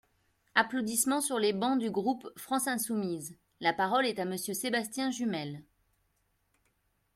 (Applaudissements sur les bancs du groupe FI.) La parole est à Monsieur Sébastien Jumel.